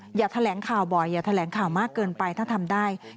คิดว่าไม่นานคงจับตัวได้แล้วก็จะต้องเค้นไปถามตำรวจที่เกี่ยวข้อง